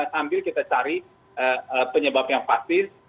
sambil kita cari penyebab yang pasti